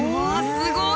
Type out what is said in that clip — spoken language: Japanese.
すごい！